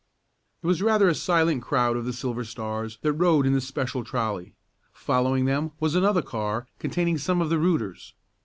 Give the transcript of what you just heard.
It was rather a silent crowd of the Silver Stars that rode in the special trolley. Following them was another car containing some of the "rooters."